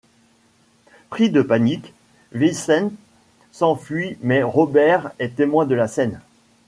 Pris de panique, Vicente s’enfuit mais Robert est témoin de la scène.